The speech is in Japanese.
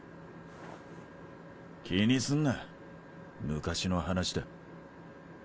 気にすんな昔の話だ。